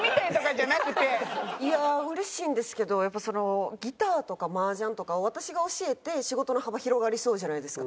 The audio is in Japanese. いや嬉しいんですけどやっぱそのギターとかマージャンとかを私が教えて仕事の幅広がりそうじゃないですか。